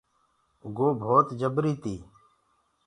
گو ڀوت جبري تي۔